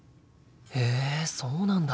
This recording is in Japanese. へえそうなんだ。